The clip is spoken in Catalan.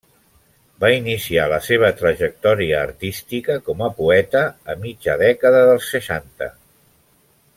Va iniciar la seva trajectòria artística com a poeta a mitja dècada dels seixanta.